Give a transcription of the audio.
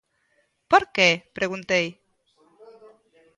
Por que?, preguntei.